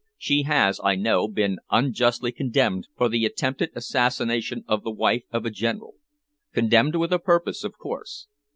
She has, I know, been unjustly condemned for the attempted assassination of the wife of a General condemned with a purpose, of course.